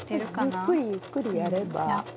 ゆっくりゆっくりやれば。